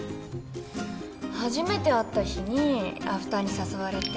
初めて会った日にアフターに誘われて。